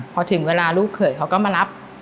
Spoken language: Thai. พอถึงเวลาลูกเขยเขาก็มารับ